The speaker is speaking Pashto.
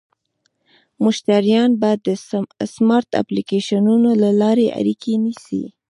مشتریان به د سمارټ اپلیکیشنونو له لارې اړیکه نیسي.